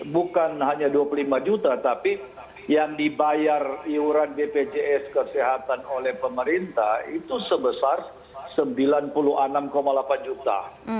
bukan hanya dua puluh lima juta tapi yang dibayar iuran bpjs kesehatan oleh pemerintah itu sebesar sembilan puluh enam delapan juta